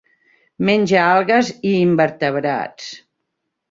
Menja algues i invertebrats.